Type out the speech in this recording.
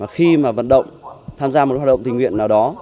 khi mà vận động tham gia một hoạt động tình nguyện nào đó